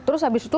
terus habis itu